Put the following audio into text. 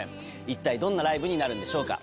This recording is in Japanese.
一体どんなライブになるんでしょうか。